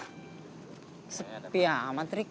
sepi ya aman trik